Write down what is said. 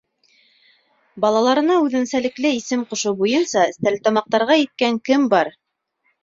Балаларына үҙенсәлекле исем ҡушыу буйынса стәрлетамаҡтарға еткән кем бар?